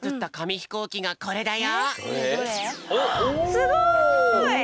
すごい！